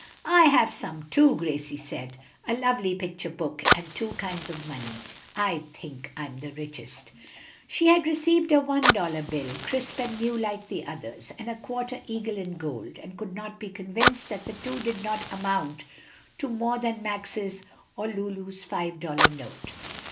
"I have some, too," Gracie said; "a lovely picture book and two kinds of money. I think I'm the richest." She had received a one dollar bill, crisp and new like the others, and a quarter eagle in gold, and could not be convinced that the two did not amount to more than Max's or Lulu's five dollar note.